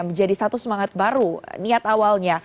menjadi satu semangat baru niat awalnya